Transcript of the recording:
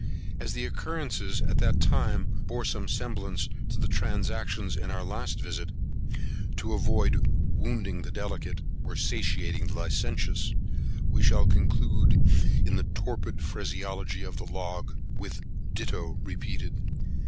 As the occurrences at this time bore some semblance to the transactions in our last visit, to avoid wounding the delicate, or satiating the licentious, we shall conclude in the torpid phraseology of the log, with ditto repeated.